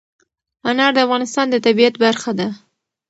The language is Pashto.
انار د افغانستان د طبیعت برخه ده.